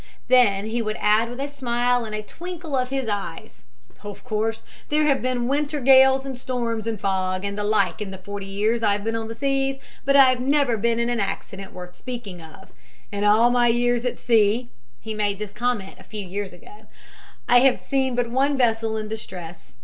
Then he would add with a smile and a twinkle of his eyes: "Of course there have been winter gales and storms and fog and the like in the forty years I have been on the seas, but I have never been in an accident worth speaking of. In all my years at sea (he made this comment a few years ago) I have seen but one vessel in distress.